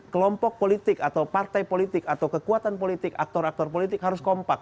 kelompok politik atau partai politik atau kekuatan politik aktor aktor politik harus kompak